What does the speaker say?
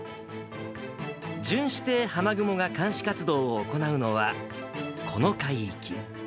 巡視艇はまぐもが監視活動を行うのは、この海域。